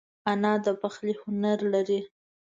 انا د پخلي هنر لري